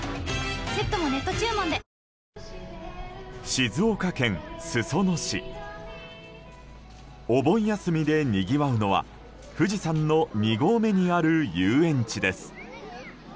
静岡県裾野市。お盆休みでにぎわうのは富士山の２合目にある遊園地です。